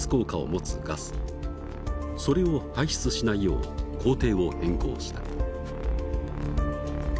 それを排出しないよう工程を変更した。